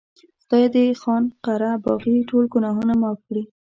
خدای دې خان قره باغي ټول ګناهونه معاف کړي.